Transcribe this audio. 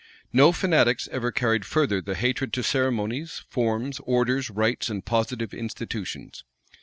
No fanatics ever carried further the hatred to ceremonies forms, orders, rites, and positive institutions.